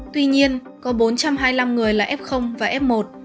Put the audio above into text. tuy nhiên có bốn trăm hai mươi năm người là f và f một